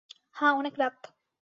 হাঁ, অনেক রাত।